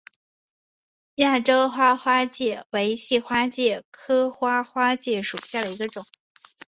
亚洲花花介为细花介科花花介属下的一个种。